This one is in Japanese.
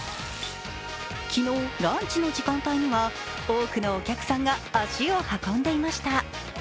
昨日、ランチの時間帯には多くのお客さんが足を運んでいました。